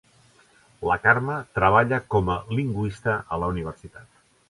La Carme treballa com a lingüista a la universitat.